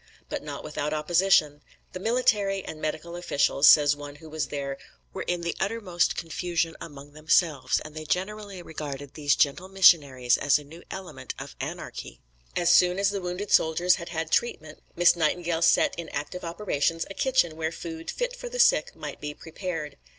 But not without opposition. The military and medical officials, says one who was there, "were in the uttermost confusion among themselves, and they generally regarded these gentle missionaries as a new element of anarchy." As soon as the wounded soldiers had had treatment, Miss Nightingale set in active operations a kitchen where food fit for the sick might be prepared.